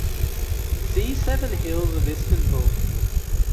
See Seven hills of Istanbul.